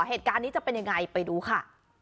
เหตุการณ์นี้จะเป็นยังไงไปดูค่ะ